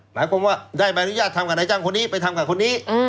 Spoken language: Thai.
หมายความว่าได้ใบอนุญาตทำกับนายจ้างคนนี้ไปทำกับคนนี้